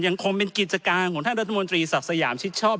ยังคงเป็นกิจการของท่านรัฐมนตรีศักดิ์สยามชิดชอบ